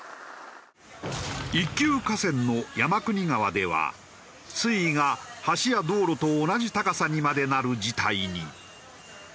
一級河川の山国川では水位が橋や道路と同じ高さにまでなる事態に。